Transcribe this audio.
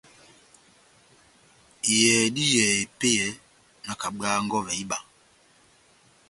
Iyɛhɛ dá iyɛhɛ epɛ́yɛ, nakabwaha nkɔvɛ iba.